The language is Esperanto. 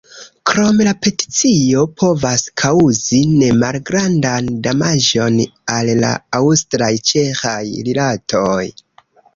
Krome la peticio povas kaŭzi nemalgrandan damaĝon al la aŭstraj-ĉeĥaj rilatoj.